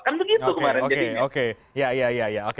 kan begitu kemarin oke oke